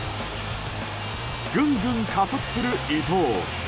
ぐんぐん加速する伊東。